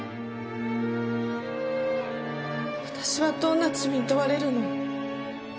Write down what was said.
私はどんな罪に問われるの？